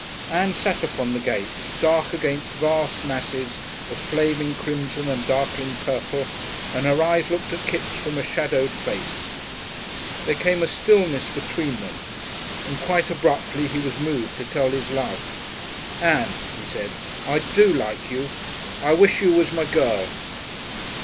Ann sat up upon the gate, dark against vast masses of flaming crimson and darkling purple, and her eyes looked at Kipps from a shadowed face. There came a stillness between them, and quite abruptly he was moved to tell his love. "Ann," he said, "I do like you. I wish you was my girl....